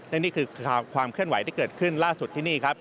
และนี่คือความเคลื่อนไหวที่เกิดขึ้นล่าสุดที่นี่ครับ